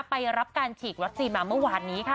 ไปรับการฉีดวัคซีนมาเมื่อวานนี้ค่ะ